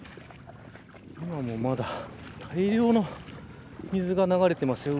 今もまだ大量の水が流れています。